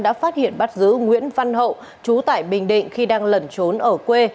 đã phát hiện bắt giữ nguyễn văn hậu chú tại bình định khi đang lẩn trốn ở quê